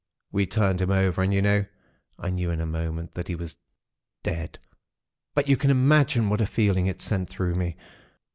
We turned him over; and, you know, I knew in a moment that he was dead; but you can imagine what a feeling it sent through me.